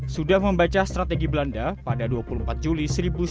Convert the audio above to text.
sudah membaca strategi belanda pada dua puluh empat juli seribu sembilan ratus sembilan puluh